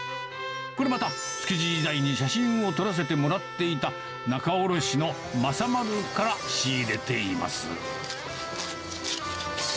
これまた、築地時代に写真を撮らせてもらっていた仲卸の政丸から仕入れています。